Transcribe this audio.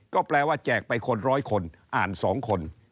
ก็แปลว่าแจกไปคนร้อยคนอ่าน๒คน